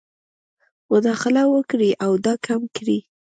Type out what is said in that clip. مداخله وکړي او دا کم کړي.